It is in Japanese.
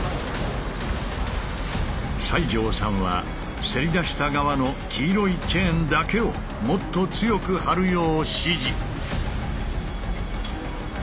西城さんはせり出した側の黄色いチェーンだけをもっと強く張るよう指示。